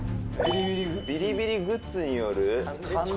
「“ビリビリグッズによる感電事件”」